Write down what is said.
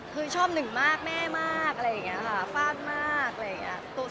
คือชอบหนึ่งมากแม่มากอะไรอย่างนี้ค่ะฟาดมากอะไรอย่างนี้